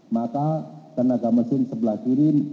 maka tenaga mesin sebelah kiri